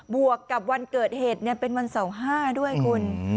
วกกับวันเกิดเหตุเป็นวันเสาร์๕ด้วยคุณ